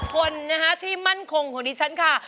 คนที่มั่นคงของดิฉันค่ะ